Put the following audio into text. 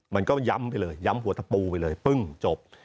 มันก็ย้ำไปเลยย้ำหัวตะปูไปเลยปึ้งจบ